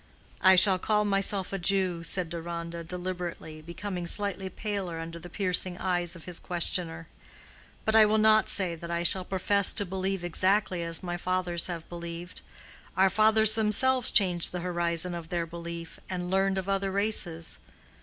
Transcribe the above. "I shall call myself a Jew," said Deronda, deliberately, becoming slightly paler under the piercing eyes of his questioner. "But I will not say that I shall profess to believe exactly as my fathers have believed. Our fathers themselves changed the horizon of their belief and learned of other races.